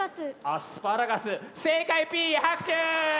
アスパラガス正解ピヤ拍手！